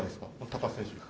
高橋選手。